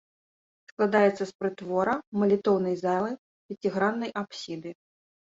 Складаецца з прытвора, малітоўнай залы, пяціграннай апсіды.